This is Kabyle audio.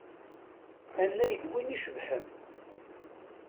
Anay d win icebḥen.